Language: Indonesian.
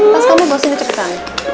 tas kamu bawa sini cepetan